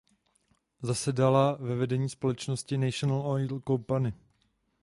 Zasedala ve vedení společnosti National Oil Company.